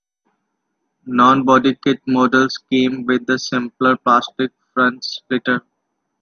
Non-bodykit models came with a simpler plastic front splitter.